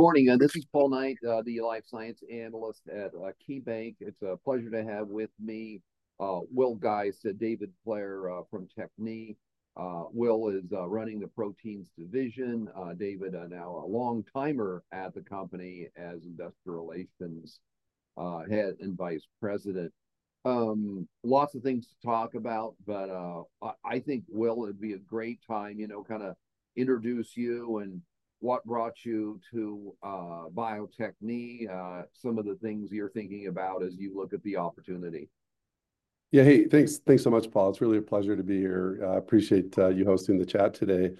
Good morning, this is Paul Knight, the life science analyst at KeyBanc. It's a pleasure to have with me, Will Geist and David Blair, from Bio-Techne. Will is running the proteins division. David, now a long-timer at the company as investor relations head and vice president. Lots of things to talk about, but I think, Will, it'd be a great time, you know, kind of introduce you and what brought you to Bio-Techne, some of the things you're thinking about as you look at the opportunity. Yeah. Hey, thanks, thanks so much, Paul. It's really a pleasure to be here. I appreciate you hosting the chat today.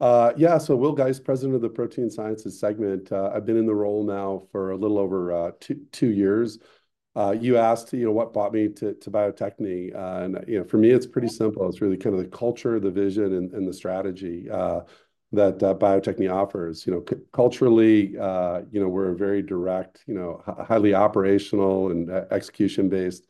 Yeah, so Will Geist, president of the Protein Sciences segment. I've been in the role now for a little over two years. You asked, you know, what brought me to Bio-Techne, and, you know, for me, it's pretty simple. It's really kind of the culture, the vision, and the strategy that Bio-Techne offers. You know, culturally, you know, we're a very direct, highly operational and execution-based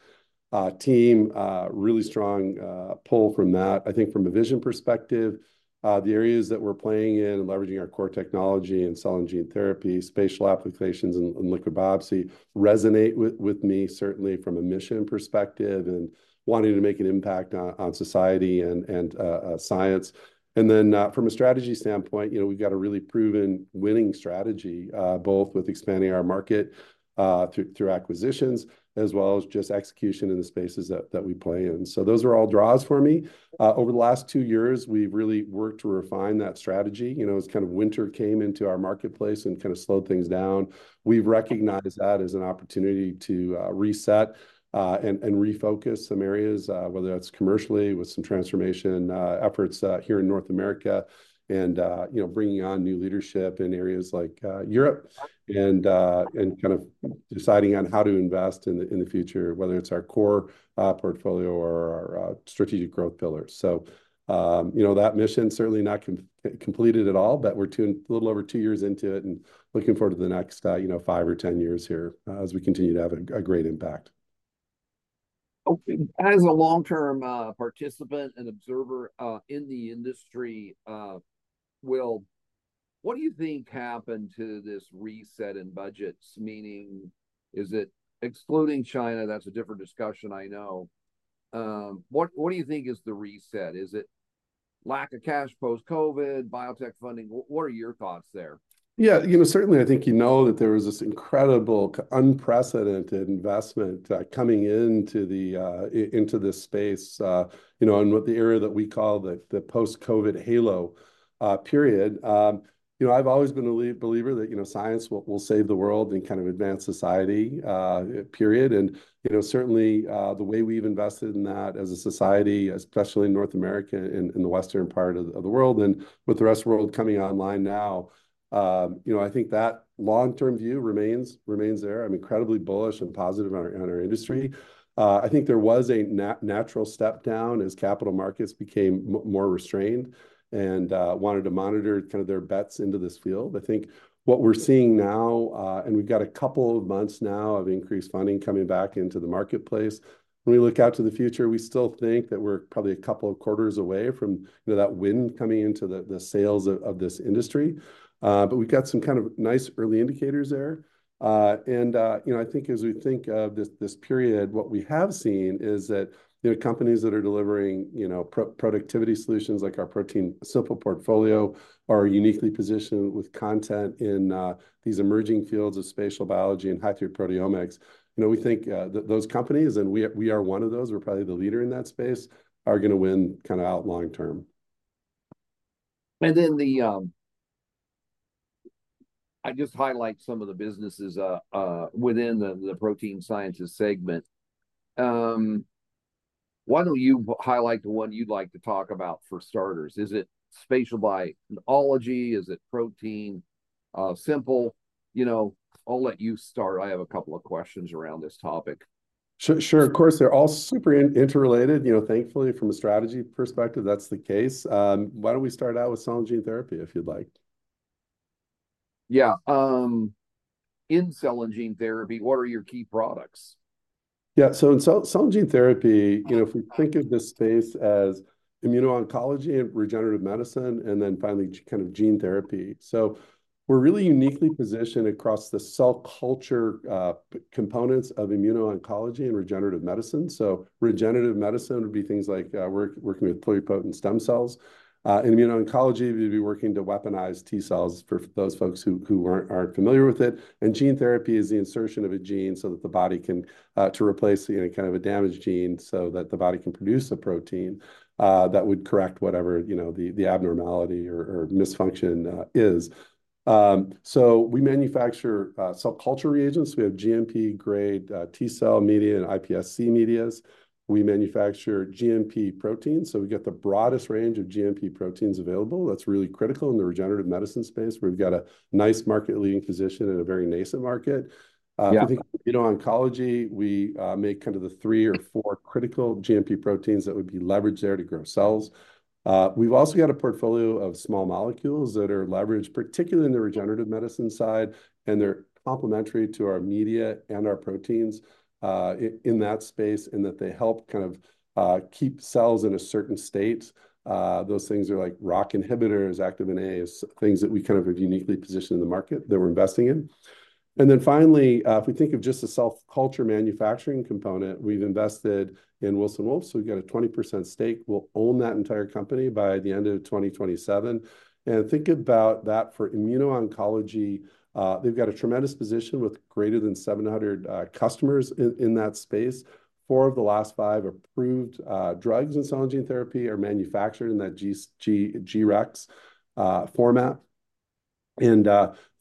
team. Really strong pull from that. I think from a vision perspective, the areas that we're playing in and leveraging our core technology in cell and gene therapy, spatial applications, and liquid biopsy resonate with me, certainly from a mission perspective and wanting to make an impact on society and science. And then, from a strategy standpoint, you know, we've got a really proven winning strategy, both with expanding our market through acquisitions, as well as just execution in the spaces that we play in. So those are all draws for me. Over the last two years, we've really worked to refine that strategy. You know, as kind of winter came into our marketplace and kind of slowed things down, we've recognized that as an opportunity to reset and refocus some areas, whether that's commercially with some transformation efforts here in North America, and you know, bringing on new leadership in areas like Europe, and kind of deciding on how to invest in the future, whether it's our core portfolio or our strategic growth pillars. So, you know, that mission's certainly not completed at all, but we're a little over 2 years into it and looking forward to the next, you know, 5 or 10 years here, as we continue to have a great impact. Okay. As a long-term participant and observer in the industry, Will, what do you think happened to this reset in budgets? Meaning, is it excluding China, that's a different discussion, I know. What, what do you think is the reset? Is it lack of cash post-COVID, biotech funding? What, what are your thoughts there? Yeah, you know, certainly I think you know that there was this incredible, unprecedented investment coming into this space, you know, and with the era that we call the post-COVID halo period. You know, I've always been a believer that, you know, science will save the world and kind of advance society, period, and, you know, certainly the way we've invested in that as a society, especially in North America, in the western part of the world, and with the rest of the world coming online now, you know, I think that long-term view remains there. I'm incredibly bullish and positive on our industry. I think there was a natural step down as capital markets became more restrained and wanted to monitor kind of their bets into this field. I think what we're seeing now, and we've got a couple of months now of increased funding co ming back into the marketplace. When we look out to the future, we still think that we're probably a couple of quarters away from, you know, that wind coming into the sails of this industry. But we've got some kind of nice early indicators there. You know, I think as we think of this period, what we have seen is that, you know, companies that are delivering, you know, productivity solutions like our ProteinSimple portfolio are uniquely positioned with content in these emerging fields of spatial biology and high-throughput proteomics. You know, we think, those companies, and we, we are one of those, we're probably the leader in that space, are gonna win kind of out long term. And then I'd just highlight some of the businesses within the Protein Sciences segment. Why don't you highlight the one you'd like to talk about for starters? Is it spatial biology? Is it ProteinSimple? You know, I'll let you start. I have a couple of questions around this topic. Sure, of course. They're all super interrelated, you know. Thankfully, from a strategy perspective, that's the case. Why don't we start out with cell and gene therapy, if you'd like? Yeah, in cell and gene therapy, what are your key products? Yeah, so in cell and gene therapy, you know, if we think of this space as immuno-oncology and regenerative medicine, and then finally, kind of gene therapy. So we're really uniquely positioned across the cell culture components of immuno-oncology and regenerative medicine. So regenerative medicine would be things like working with pluripotent stem cells. In immuno-oncology, we'd be working to weaponize T cells for those folks who aren't familiar with it. And gene therapy is the insertion of a gene so that the body can to replace, you know, kind of a damaged gene so that the body can produce a protein that would correct whatever, you know, the abnormality or misfunction is. So we manufacture cell culture reagents. We have GMP-grade T-cell media and iPSC media. We manufacture GMP proteins, so we got the broadest range of GMP proteins available. That's really critical in the regenerative medicine space, where we've got a nice market-leading position in a very nascent market. Yeah. I think immuno-oncology, we make kind of the three or four critical GMP proteins that would be leveraged there to grow cells. We've also got a portfolio of small molecules that are leveraged, particularly in the regenerative medicine side, and they're complementary to our media and our proteins, in that space, in that they help kind of keep cells in a certain state. Those things are like ROCK inhibitors, Activin A, things that we kind of are uniquely positioned in the market that we're investing in. And then finally, if we think of just the cell culture manufacturing component, we've invested in Wilson Wolf, so we've got a 20% stake. We'll own that entire company by the end of 2027. And think about that for immuno-oncology. They've got a tremendous position with greater than 700 customers in that space. Four of the last five approved drugs in cell and gene therapy are manufactured in that G-Rex format, and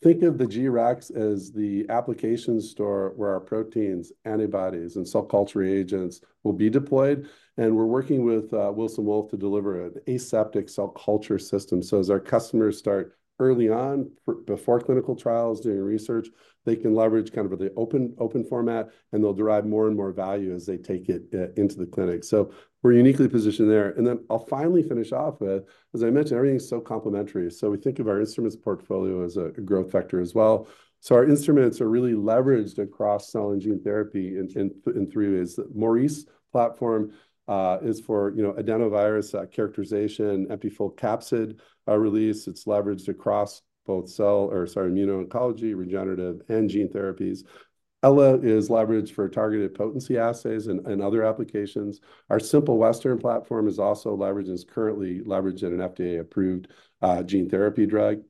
think of the G-Rex as the application store where our proteins, antibodies, and cell culture agents will be deployed. And we're working with Wilson Wolf to deliver an aseptic cell culture system. So as our customers start early on, before clinical trials, doing research, they can leverage kind of the open, open format, and they'll derive more and more value as they take it into the clinic. So we're uniquely positioned there. And then I'll finally finish off with, as I mentioned, everything's so complementary, so we think of our instruments portfolio as a growth factor as well. Our instruments are really leveraged across cell and gene therapy in three ways. Maurice platform is for, you know, adenovirus characterization, empty/full capsid release. It's leveraged across both cell, or sorry, immuno-oncology, regenerative, and gene therapies. Ella is leveraged for targeted potency assays and other applications. Our Simple Western platform is also leveraged, and is currently leveraged in an FDA-approved gene therapy drug.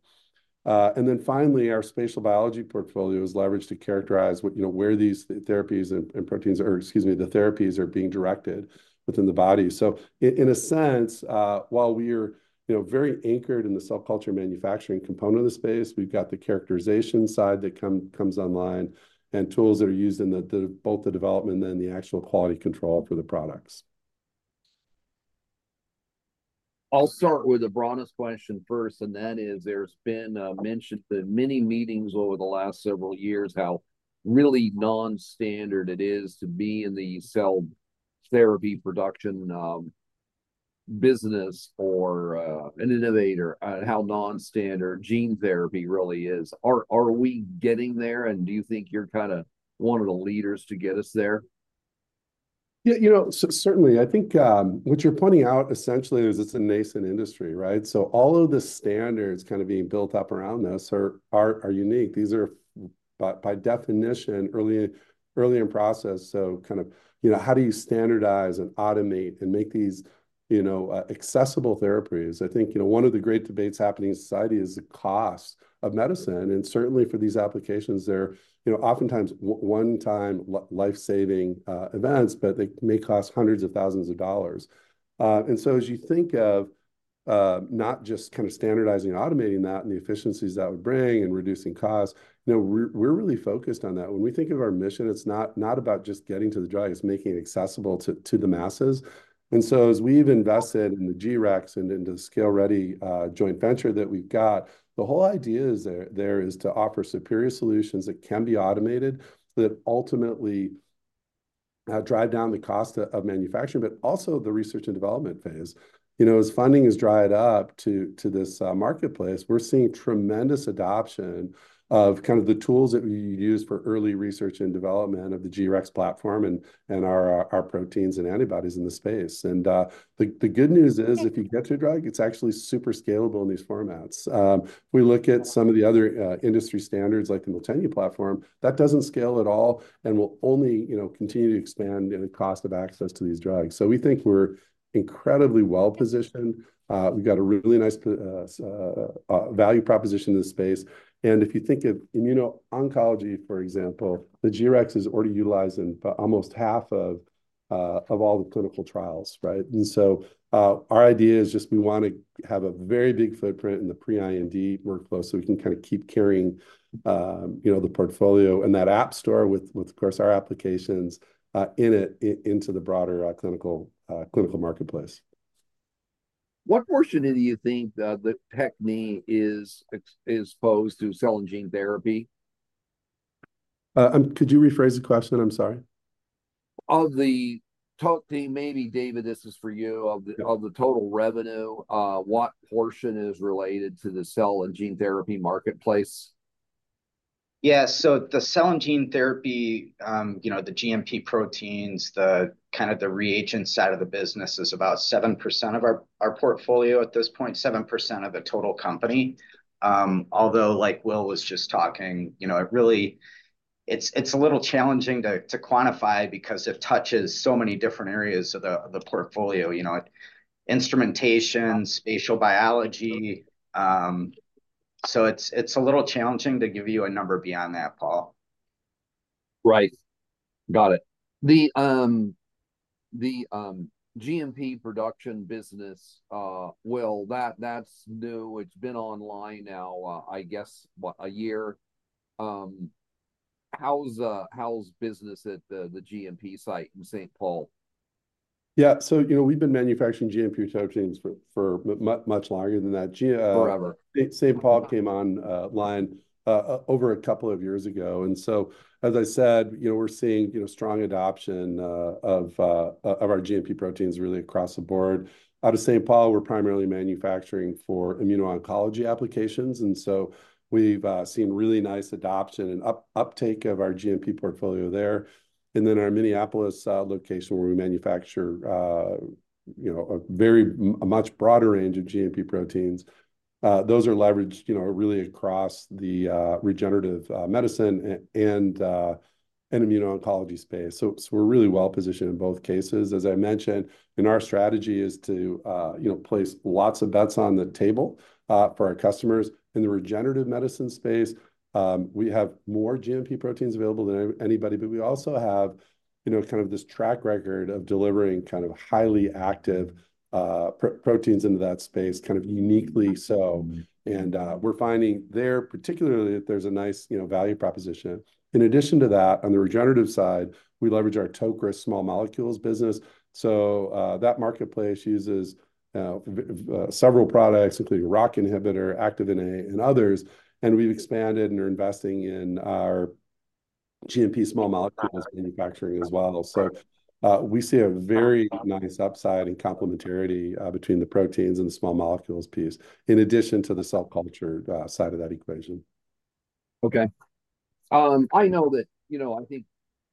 And then finally, our spatial biology portfolio is leveraged to characterize you know, where these therapies and proteins, or excuse me, the therapies are being directed within the body. So in a sense, while we're, you know, very anchored in the cell culture manufacturing component of the space, we've got the characterization side that comes online, and tools that are used in both the development and the actual quality control for the products. I'll start with the broadest question first, and that is, there's been mention at many meetings over the last several years, how really non-standard it is to be in the cell therapy production business or an innovator, how non-standard gene therapy really is. Are we getting there, and do you think you're kind of one of the leaders to get us there? Yeah, you know, certainly. I think what you're pointing out essentially is it's a nascent industry, right? So all of the standards kind of being built up around this are unique. These are by definition early in process, so kind of, you know, how do you standardize and automate and make these, you know, accessible therapies? I think, you know, one of the great debates happening in society is the cost of medicine, and certainly for these applications, they're, you know, oftentimes one-time life-saving events, but they may cost $hundreds of thousands. And so as you think of not just kind of standardizing and automating that and the efficiencies that would bring and reducing costs, you know, we're really focused on that. When we think of our mission, it's not, not about just getting to the drug, it's making it accessible to, to the masses. And so as we've invested in the G-Rex and into the ScaleReady joint venture that we've got, the whole idea is there, there is to offer superior solutions that can be automated, that ultimately, drive down the cost of manufacturing, but also the research and development phase. You know, as funding has dried up to, to this marketplace, we're seeing tremendous adoption of kind of the tools that we use for early research and development of the G-Rex platform and, and our, our proteins and antibodies in the space. And, the, the good news is, if you get your drug, it's actually super scalable in these formats. We look at some of the other industry standards, like the Miltenyi platform, that doesn't scale at all and will only, you know, continue to expand in the cost of access to these drugs. So we think we're incredibly well-positioned. We've got a really nice value proposition in this space, and if you think of immuno-oncology, for example, the G-Rex is already utilized in almost half of all the clinical trials, right? And so, our idea is just we want to have a very big footprint in the pre-IND workflow so we can kind of keep carrying the portfolio and that App Store with, of course, our applications in it into the broader clinical marketplace. What portion do you think, the Techne is exposed to cell and gene therapy? Could you rephrase the question? I'm sorry. Of the total—maybe David, this is for you. Yeah. Of the total revenue, what portion is related to the cell and gene therapy marketplace? Yeah, so the cell and gene therapy, you know, the GMP proteins, the kind of the reagent side of the business is about 7% of our, our portfolio at this point, 7% of the total company. Although, like Will was just talking, you know, it really... It's, it's a little challenging to, to quantify because it touches so many different areas of the, the portfolio, you know, instrumentation, Spatial Biology. So it's, it's a little challenging to give you a number beyond that, Paul. Right. Got it. The GMP production business, Will, that's new. It's been online now, I guess, what, a year? How's business at the GMP site in St. Paul? Yeah, so, you know, we've been manufacturing GMP proteins for much longer than that. GM- Forever. St. Paul came online over a couple of years ago, and so, as I said, you know, we're seeing, you know, strong adoption of our GMP proteins really across the board. Out of St. Paul, we're primarily manufacturing for immuno-oncology applications, and so we've seen really nice adoption and uptake of our GMP portfolio there. And then our Minneapolis location, where we manufacture, you know, a much broader range of GMP proteins, those are leveraged, you know, really across the regenerative medicine and immuno-oncology space. So, we're really well-positioned in both cases. As I mentioned, and our strategy is to, you know, place lots of bets on the table for our customers. In the regenerative medicine space, we have more GMP proteins available than anybody, but we also have, you know, kind of this track record of delivering kind of highly active proteins into that space, kind of uniquely so. And we're finding there particularly that there's a nice, you know, value proposition. In addition to that, on the regenerative side, we leverage our Tocris small molecules business. So that marketplace uses several products, including a ROCK inhibitor, Activin A, and others, and we've expanded and are investing in our GMP small molecule- - manufacturing as well. So, we see a very nice upside in complementarity between the proteins and the small molecules piece, in addition to the cell culture side of that equation. Okay. I know that, you know, I think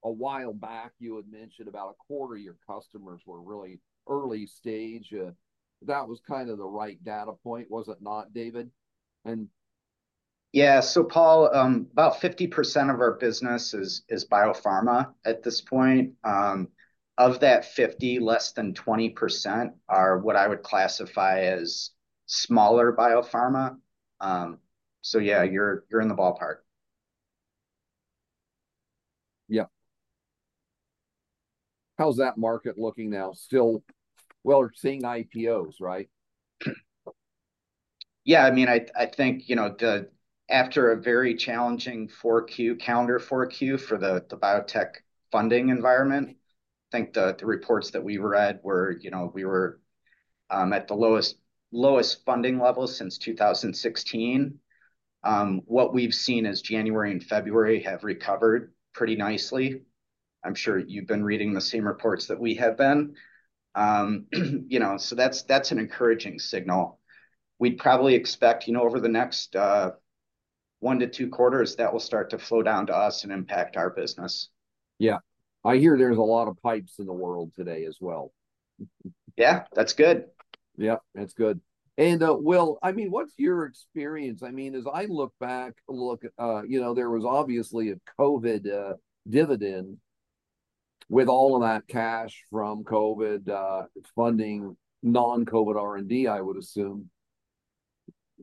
a while back you had mentioned about a quarter of your customers were really early stage. That was kind of the right data point, was it not, David? And- Yeah. So Paul, about 50% of our business is biopharma at this point. Of that 50, less than 20% are what I would classify as smaller biopharma. So yeah, you're in the ballpark. Yeah. How's that market looking now? Still, well, we're seeing IPOs, right? Yeah, I mean, I think, you know, after a very challenging Q4, calendar Q4 for the biotech funding environment, I think the reports that we read were, you know, we were at the lowest funding level since 2016. What we've seen is January and February have recovered pretty nicely. I'm sure you've been reading the same reports that we have been. You know, so that's an encouraging signal. We'd probably expect, you know, over the next one to two quarters, that will start to flow down to us and impact our business. Yeah. I hear there's a lot of pipes in the world today as well. Yeah, that's good. Yeah, that's good. And, Will, I mean, what's your experience? I mean, as I look back, look, you know, there was obviously a COVID dividend with all of that cash from COVID funding non-COVID R&D, I would assume.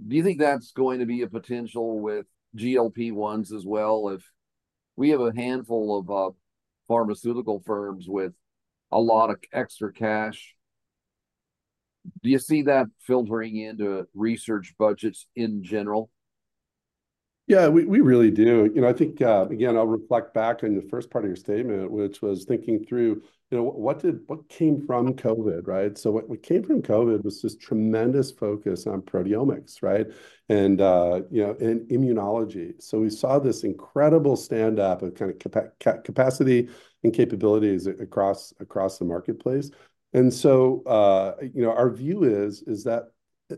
Do you think that's going to be a potential with GLP-1s as well, if we have a handful of pharmaceutical firms with a lot of extra cash? Do you see that filtering into research budgets in general? Yeah, we really do. You know, I think, again, I'll reflect back on the first part of your statement, which was thinking through, you know, what came from COVID, right? So what came from COVID was this tremendous focus on proteomics, right? And, you know, and immunology. So we saw this incredible stand-up of kind of capacity and capabilities across the marketplace. And so, you know, our view is that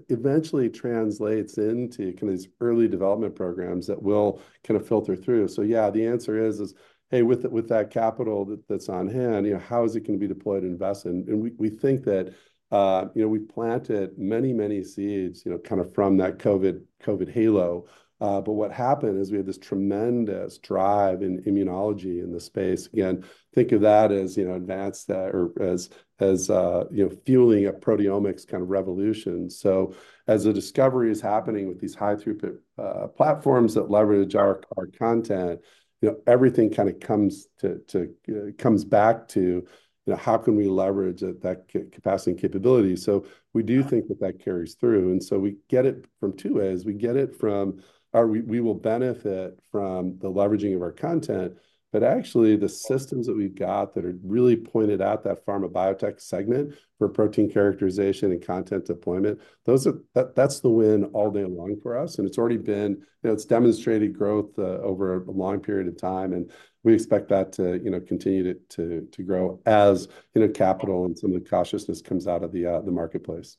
eventually translates into kind of these early development programs that will kind of filter through. So yeah, the answer is, hey, with that capital that's on hand, you know, how is it going to be deployed and invested? And we think that, you know, we've planted many seeds, you know, kind of from that COVID halo. But what happened is we had this tremendous drive in immunology in the space. Again, think of that as, you know, advanced, or as, as, you know, fueling a proteomics kind of revolution. So as the discovery is happening with these high-throughput platforms that leverage our, our content, you know, everything kind of comes to, to, comes back to, you know, how can we leverage that capacity and capability? So we do think that that carries through, and so we get it from two ways. We get it from, or we, we will benefit from the leveraging of our content, but actually, the systems that we've got that are really pointed at that pharma biotech segment for protein characterization and content deployment, those are- that's the win all day long for us, and it's already been... You know, it's demonstrated growth over a long period of time, and we expect that to, you know, continue to grow as, you know, capital and some of the cautiousness comes out of the marketplace.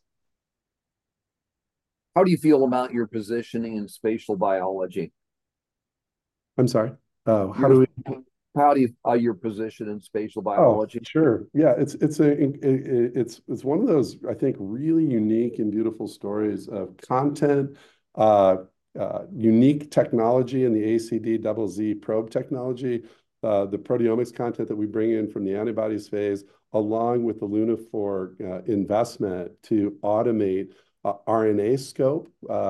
How do you feel about your positioning in spatial biology? I'm sorry? How do we- How do you, your position in spatial biology? Oh, sure. Yeah, it's one of those, I think, really unique and beautiful stories of content, unique technology in the ACD Double Z probe technology, the proteomics content that we bring in from the antibodies phase, along with the Lunaphore investment to automate RNAscope,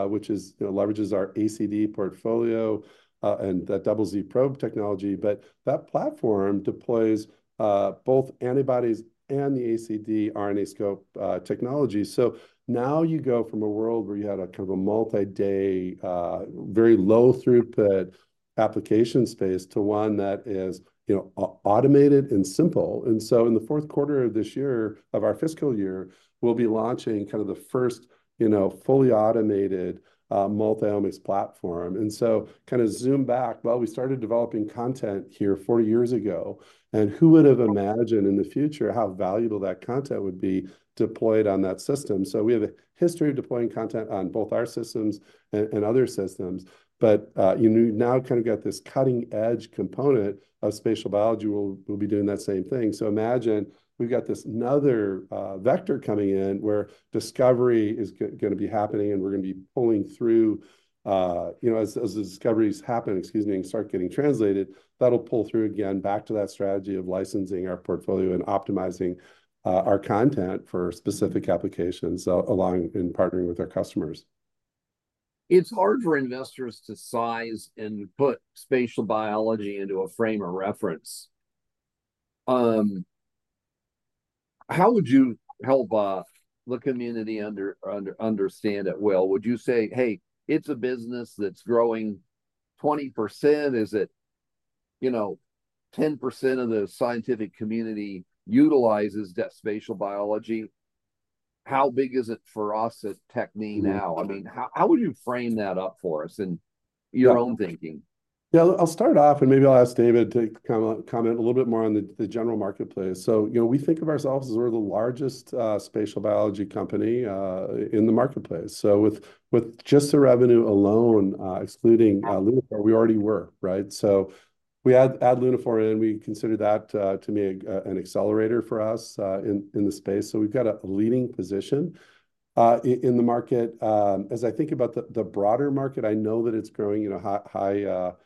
which, you know, leverages our ACD portfolio and the Double Z probe technology. But that platform deploys both antibodies and the ACD RNAscope technology. So now you go from a world where you had a kind of a multi-day, very low-throughput application space, to one that is, you know, automated and simple. And so in the fourth quarter of this year, of our fiscal year, we'll be launching kind of the first, you know, fully automated, multi-omics platform. And so kind of zoom back, well, we started developing content here 40 years ago, and who would have imagined in the future how valuable that content would be deployed on that system? So we have a history of deploying content on both our systems and other systems, but you now kind of got this cutting-edge component of spatial biology, we'll be doing that same thing. So imagine we've got this another vector coming in, where discovery is gonna be happening, and we're gonna be pulling through, you know, as the discoveries happen, excuse me, and start getting translated, that'll pull through again back to that strategy of licensing our portfolio and optimizing our content for specific applications, along and partnering with our customers.... It's hard for investors to size and put spatial biology into a frame of reference. How would you help the community understand it well? Would you say, "Hey, it's a business that's growing 20%?" Is it, you know, 10% of the scientific community utilizes that spatial biology? How big is it for us at Bio-Techne now? I mean, how would you frame that up for us in your own thinking? Yeah, I'll start off, and maybe I'll ask David to kind of comment a little bit more on the general marketplace. So, you know, we think of ourselves as we're the largest spatial biology company in the marketplace. So with just the revenue alone, excluding Lunaphore, we already were, right? So we add Lunaphore in, we consider that to be an accelerator for us in the space. So we've got a leading position in the market. As I think about the broader market, I know that it's growing in a high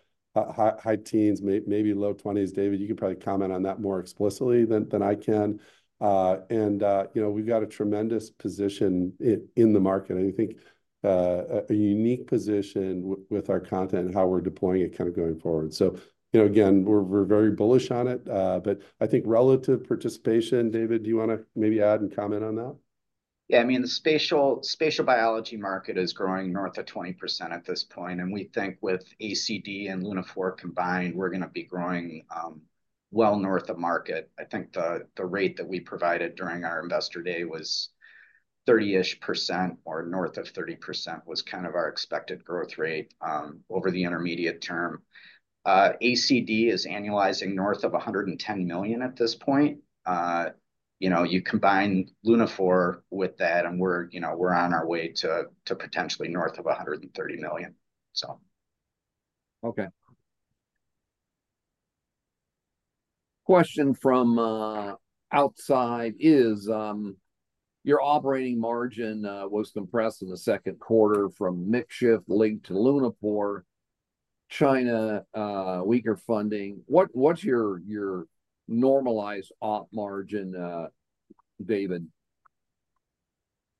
teens, maybe low twenties. David, you can probably comment on that more explicitly than I can. And, you know, we've got a tremendous position in the market, and I think a unique position with our content and how we're deploying it kind of going forward. So, you know, again, we're very bullish on it. But I think relative participation, David, do you want to maybe add and comment on that? Yeah, I mean, the spatial, spatial biology market is growing north of 20% at this point, and we think with ACD and Lunaphore combined, we're going to be growing, well north of market. I think the, the rate that we provided during our Investor Day was 30-ish%, or north of 30% was kind of our expected growth rate, over the intermediate term. ACD is annualizing north of $110 million at this point. You know, you combine Lunaphore with that, and we're, you know, we're on our way to, to potentially north of $130 million, so. Okay. Question from outside is your operating margin was compressed in the second quarter from mix shift linked to Lunaphore, China, weaker funding. What's your normalized op margin, David?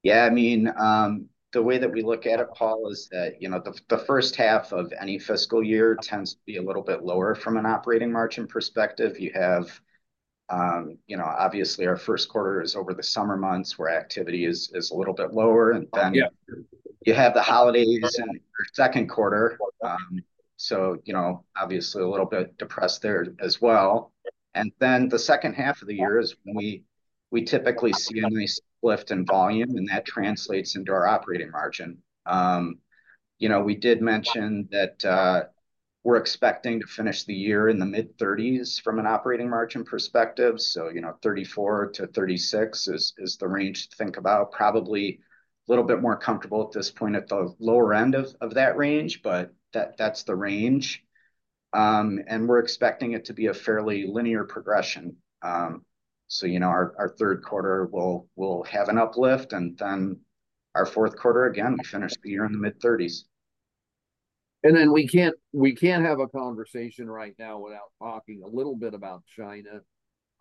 Yeah, I mean, the way that we look at it, Paul, is that, you know, the first half of any fiscal year tends to be a little bit lower from an operating margin perspective. You have, you know, obviously, our first quarter is over the summer months, where activity is a little bit lower- Yeah... and then you have the holidays in the second quarter. So, you know, obviously a little bit depressed there as well. And then the second half of the year is when we typically see a nice lift in volume, and that translates into our operating margin. You know, we did mention that, we're expecting to finish the year in the mid-30s% from an operating margin perspective. So, you know, 34%-36% is the range to think about. Probably a little bit more comfortable at this point at the lower end of that range, but that's the range. And we're expecting it to be a fairly linear progression. So, you know, our third quarter will have an uplift, and then our fourth quarter, again, we finish the year in the mid-30s%. Then we can't have a conversation right now without talking a little bit about China.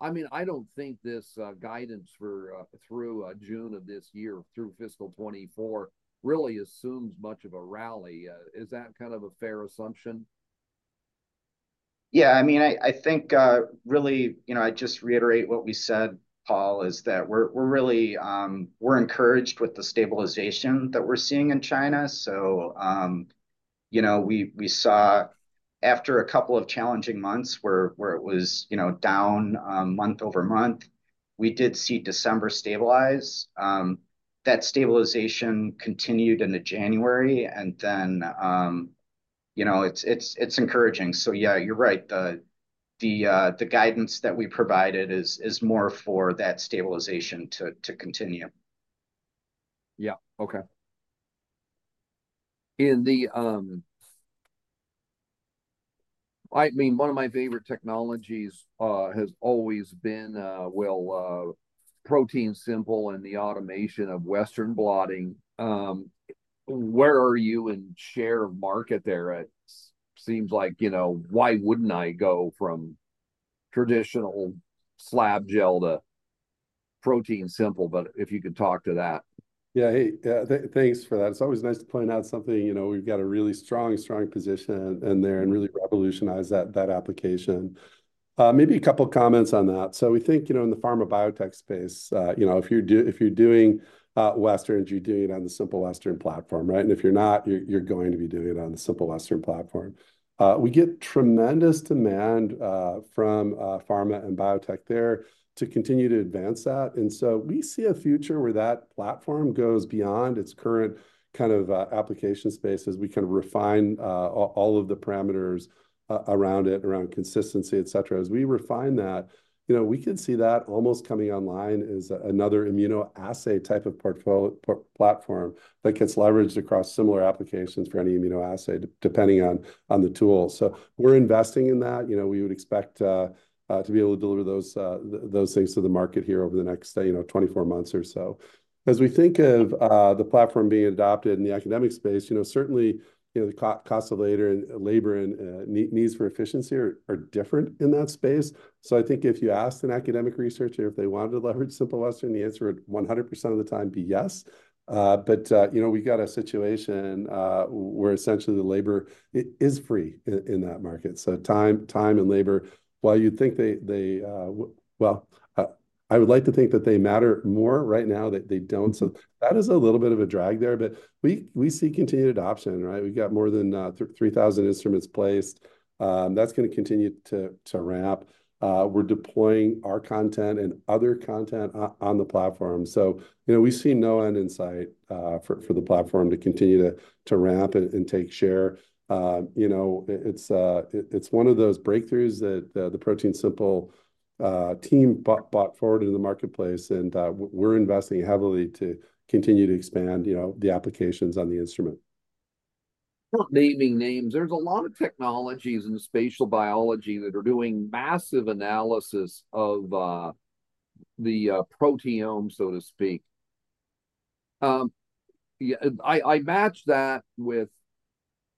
I mean, I don't think this guidance for through June of this year, through fiscal 2024, really assumes much of a rally. Is that kind of a fair assumption? Yeah, I mean, I think, really, you know, I'd just reiterate what we said, Paul, is that we're really... we're encouraged with the stabilization that we're seeing in China. So, you know, we saw after a couple of challenging months, where it was, you know, down month-over-month, we did see December stabilize. That stabilization continued into January, and then, you know, it's encouraging. So yeah, you're right. The guidance that we provided is more for that stabilization to continue. Yeah, okay. I mean, one of my favorite technologies has always been ProteinSimple and the automation of Western Blotting. Where are you in share of market there? It seems like, you know, why wouldn't I go from traditional slab gel to ProteinSimple? But if you could talk to that. Yeah, hey, thanks for that. It's always nice to point out something, you know, we've got a really strong position in there and really revolutionized that application. Maybe a couple of comments on that. So we think, you know, in the pharma biotech space, you know, if you're doing Westerns, you're doing it on the Simple Western platform, right? And if you're not, you're going to be doing it on the Simple Western platform. We get tremendous demand from pharma and biotech there to continue to advance that. And so we see a future where that platform goes beyond its current kind of application space as we kind of refine all of the parameters around it, around consistency, et cetera. As we refine that, you know, we could see that almost coming online as another immunoassay type of portfolio platform that gets leveraged across similar applications for any immunoassay, depending on the tool. So we're investing in that. You know, we would expect to be able to deliver those things to the market here over the next, you know, 24 months or so. As we think of the platform being adopted in the academic space, you know, certainly, you know, the cost of labor and needs for efficiency are different in that space. So I think if you asked an academic researcher if they wanted to leverage Simple Western, the answer would 100% of the time be yes. But, you know, we've got a situation where essentially the labor is free in that market. So time and labor, while you'd think they, well, I would like to think that they matter more right now, that they don't. So that is a little bit of a drag there, but we see continued adoption, right? We've got more than 3,000 instruments placed. That's going to continue to ramp. We're deploying our content and other content on the platform. So, you know, we see no end in sight for the platform to continue to ramp and take share. You know, it's one of those breakthroughs that the ProteinSimple team brought forward in the marketplace, and we're investing heavily to continue to expand, you know, the applications on the instrument.... Not naming names, there's a lot of technologies in spatial biology that are doing massive analysis of the proteome, so to speak. Yeah, and I match that with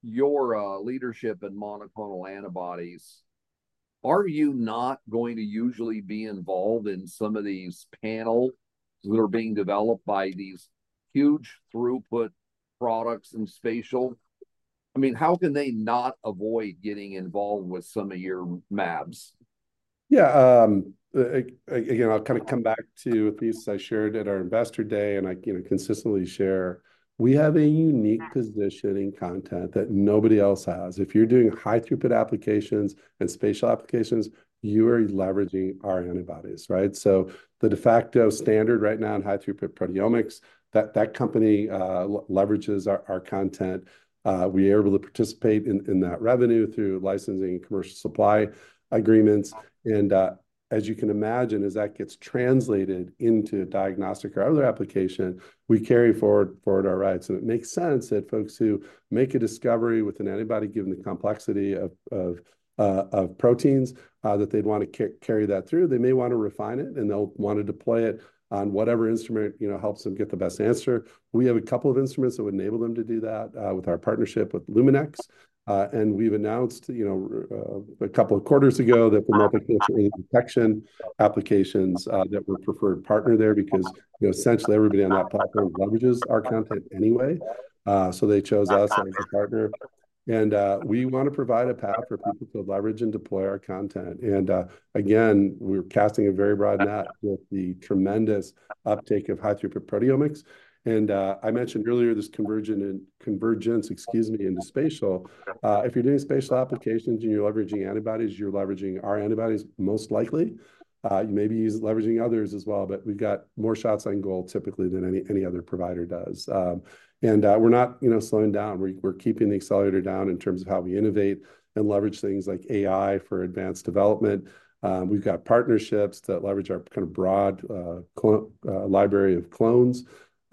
your leadership in monoclonal antibodies. Are you not going to usually be involved in some of these panels that are being developed by these huge throughput products in spatial? I mean, how can they not avoid getting involved with some of your mAbs? Yeah, again, I'll kind of come back to a piece I shared at our Investor Day, and I, you know, consistently share. We have a unique position in content that nobody else has. If you're doing high-throughput applications and spatial applications, you are leveraging our antibodies, right? So the de facto standard right now in high-throughput proteomics, that company leverages our content. We are able to participate in that revenue through licensing commercial supply agreements. As you can imagine, as that gets translated into a diagnostic or other application, we carry forward our rights. So it makes sense that folks who make a discovery with an antibody, given the complexity of proteins, that they'd want to carry that through. They may want to refine it, and they'll want to deploy it on whatever instrument, you know, helps them get the best answer. We have a couple of instruments that would enable them to do that with our partnership with Luminex. And we've announced, you know, a couple of quarters ago that the multiple infection applications that we're a preferred partner there because, you know, essentially everybody on that platform leverages our content anyway. So they chose us as a partner. And we want to provide a path for people to leverage and deploy our content. And again, we're casting a very broad net with the tremendous uptake of high-throughput proteomics. And I mentioned earlier this convergence, excuse me, into spatial. If you're doing spatial applications and you're leveraging antibodies, you're leveraging our antibodies, most likely. You may be leveraging others as well, but we've got more shots on goal typically than any other provider does. We're not, you know, slowing down. We're keeping the accelerator down in terms of how we innovate and leverage things like AI for advanced development. We've got partnerships that leverage our kind of broad library of clones,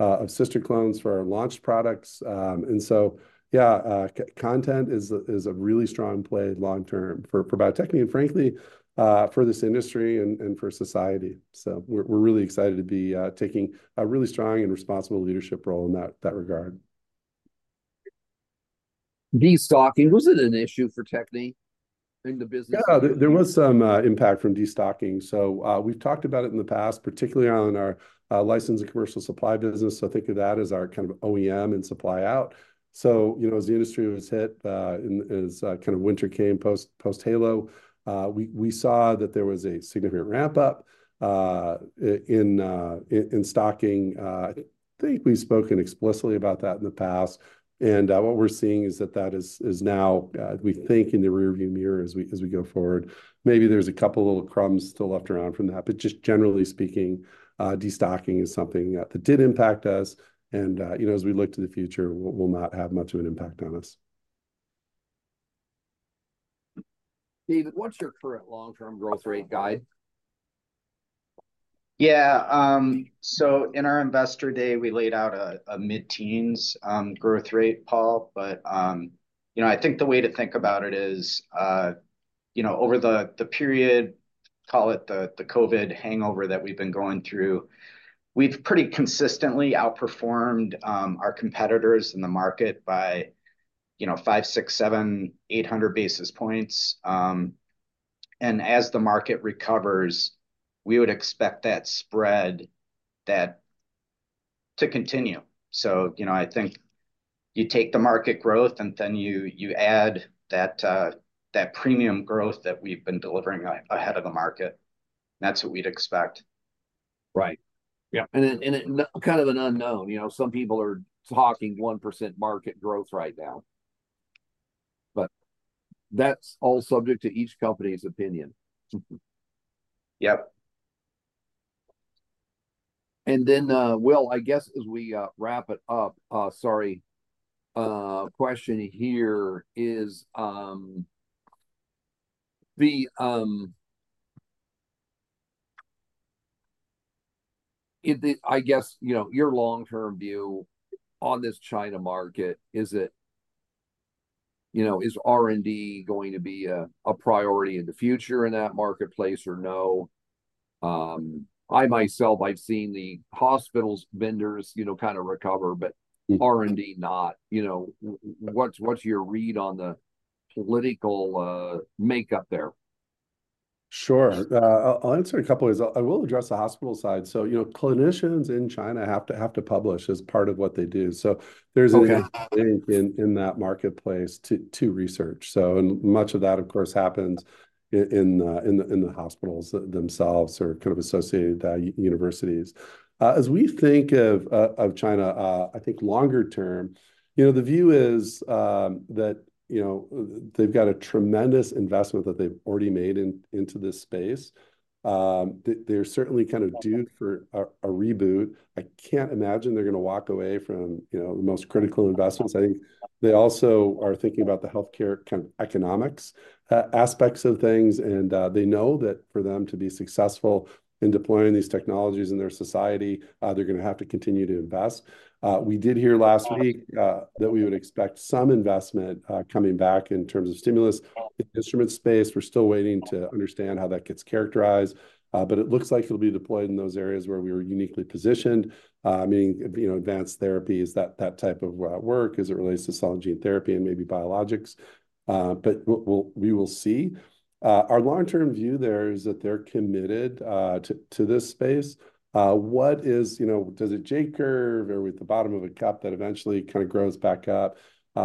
of sister clones for our launch products. Content is a, is a really strong play long term for Bio-Techne and frankly, for this industry and for society. So we're really excited to be taking a really strong and responsible leadership role in that regard. Destocking, was it an issue for Techne in the business? Yeah, there was some impact from destocking. So, we've talked about it in the past, particularly on our license and commercial supply business, so think of that as our kind of OEM and supply out. So, you know, as the industry was hit, as kind of winter came post-Halo, we saw that there was a significant ramp-up in stocking. I think we've spoken explicitly about that in the past, and what we're seeing is that that is now we think in the rear-view mirror as we go forward. Maybe there's a couple of little crumbs still left around from that, but just generally speaking, destocking is something that did impact us and, you know, as we look to the future, will not have much of an impact on us. David, what's your current long-term growth rate guide? Yeah, so in our Investor Day, we laid out a, a mid-teens, growth rate, Paul. But, you know, I think the way to think about it is, you know, over the, the period, call it the, the COVID hangover that we've been going through, we've pretty consistently outperformed, our competitors in the market by, you know, 500, 600, 700, 800 basis points. And as the market recovers, we would expect that spread, that to continue. So, you know, I think you take the market growth, and then you, you add that, that premium growth that we've been delivering ahead of the market. That's what we'd expect. Right. Yeah. And then, it's kind of an unknown. You know, some people are talking 1% market growth right now, but that's all subject to each company's opinion. Yep. And then, Will, I guess as we wrap it up, sorry, question here is, the... I guess, you know, your long-term view on this China market, is it, you know, is R&D going to be a priority in the future in that marketplace or no? I myself, I've seen the hospitals, vendors, you know, kind of recover, but R&D not. You know, what's your read on the political makeup there?... Sure. I'll answer a couple of these. I will address the hospital side. So, you know, clinicians in China have to publish as part of what they do. So there's- Okay an inherent link in that marketplace to research. So, and much of that, of course, happens in the hospitals themselves or kind of associated universities. As we think of China, I think longer term, you know, the view is that, you know, they've got a tremendous investment that they've already made into this space. They're certainly kind of due for a reboot. I can't imagine they're gonna walk away from, you know, the most critical investments. I think they also are thinking about the healthcare kind of economics aspects of things. And they know that for them to be successful in deploying these technologies in their society, they're gonna have to continue to invest. We did hear last week that we would expect some investment coming back in terms of stimulus. In the instrument space, we're still waiting to understand how that gets characterized, but it looks like it'll be deployed in those areas where we are uniquely positioned. Meaning, you know, advanced therapies, that type of work as it relates to cell and gene therapy and maybe biologics. But we'll, we will see. Our long-term view there is that they're committed to this space. You know, does a J curve or are we at the bottom of a cup that eventually kind of grows back up?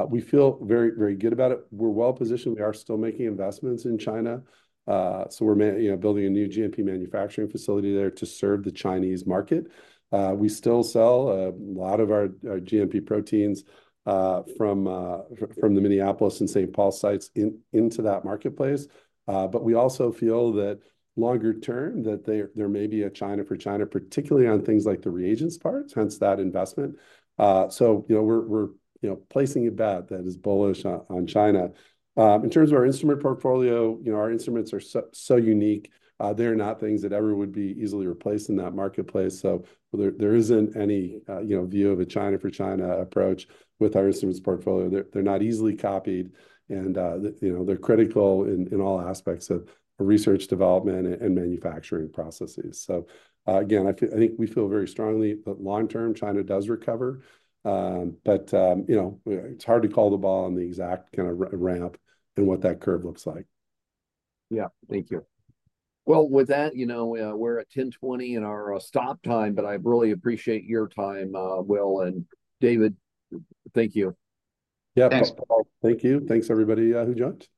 We feel very, very good about it. We're well-positioned. We are still making investments in China. So we're, you know, building a new GMP manufacturing facility there to serve the Chinese market. We still sell a lot of our GMP proteins from the Minneapolis and St. Paul sites into that marketplace. But we also feel that longer term, there may be a China for China, particularly on things like the reagents part, hence that investment. So, you know, we're placing a bet that is bullish on China. In terms of our instrument portfolio, you know, our instruments are so unique. They're not things that ever would be easily replaced in that marketplace, so there isn't any view of a China for China approach with our instruments portfolio. They're not easily copied and, you know, they're critical in all aspects of research development and manufacturing processes. So, again, I think we feel very strongly that long term, China does recover. But you know, it's hard to call the ball on the exact kind of ramp and what that curve looks like. Yeah. Thank you. Well, with that, you know, we're at 10:20 and our stop time, but I really appreciate your time, Will and David. Thank you. Yeah. Thanks. Thank you. Thanks, everybody, who joined.